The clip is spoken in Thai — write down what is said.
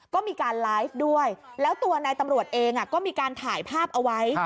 ก็มีการไลฟ์ด้วยแล้วตัวนายตำรวจเองก็มีการถ่ายภาพเอาไว้